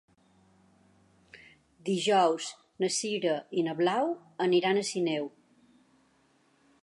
Dijous na Sira i na Blau aniran a Sineu.